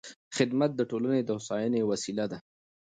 خدمت د ټولنې د هوساینې وسیله ده.